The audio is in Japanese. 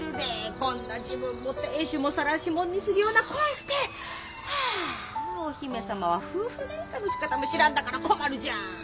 こんな自分も亭主もさらし者にするようなこんしてはあお姫様は夫婦げんかのしかたも知らんだから困るじゃん。